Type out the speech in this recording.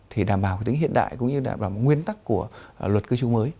thì đảm bảo cái tính hiện đại cũng như đảm bảo nguyên tắc của luật cư trú mới